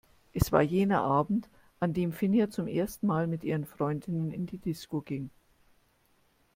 Es war jener Abend, an dem Finja zum ersten Mal mit ihren Freundinnen in die Disco ging.